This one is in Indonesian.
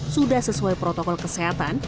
sudah sesuai protokol kesehatan